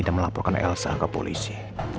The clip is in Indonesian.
dan melaporkan elsa ke polisi